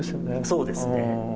そうですね。